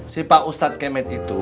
si pak ustadz kemet itu